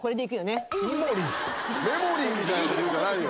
メモリーみたいな事言うんじゃないよ。